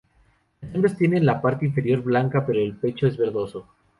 Las hembras tienen la parte inferior blanca pero el pecho es verdoso.